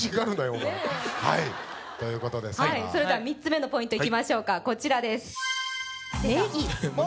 お前ということですがはいそれでは３つ目のポイントいきましょうかこちらです何